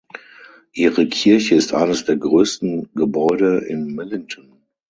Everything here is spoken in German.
Ihre Kirche ist eines der größten Gebäude in Millington.